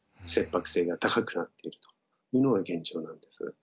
切迫性が高くなっているというのが現状なんです。